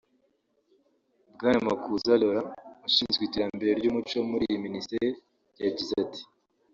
Bwana Makuza Lauren ushinzwe iterambere ry’umuco muri iyi minisiteri yagize ati